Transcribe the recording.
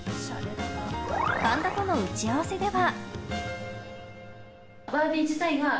神田との打ち合わせでは。